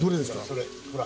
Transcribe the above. それ、ほら。